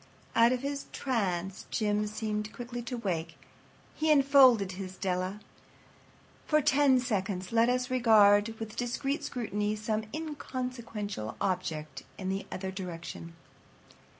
Out of his trance Jim seemed quickly to wake. He enfolded his Della. For ten seconds let us regard with discreet scrutiny some inconsequential object in the other direction.